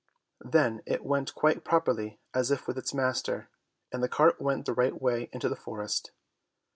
Then it went quite properly as if with its master, and the cart went the right way into the forest.